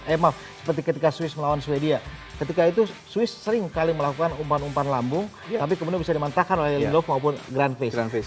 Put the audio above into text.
eh maaf seperti ketika swiss melawan swedia ketika itu swiss seringkali melakukan umpan umpan lambung tapi kemudian bisa dimantahkan oleh lindelof maupun granville